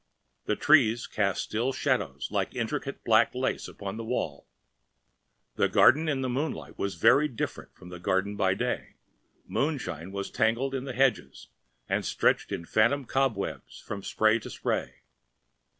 The trees cast still shadows like intricate black lace upon the wall. The garden in the moonlight was very different from the garden by day; moonshine was tangled in the hedges and stretched in phantom cobwebs from spray to spray.